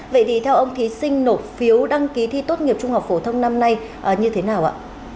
vậy thì theo ông thí sinh nộp phiếu đăng ký thi tốt nghiệp trung học phổ thông năm nay như thế nào ạ